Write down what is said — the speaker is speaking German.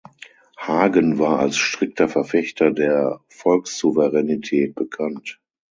Hagen war als strikter Verfechter der Volkssouveränität bekannt.